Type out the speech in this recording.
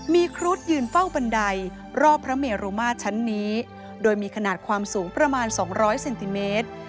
มีครุฑยืนเฝ้าบันไดรอบพระเมรุมาตรชั้นนี้โดยมีขนาดความสูงประมาณ๒๐๐เซนติเมตร